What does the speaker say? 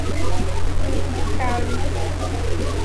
Grupo de fraude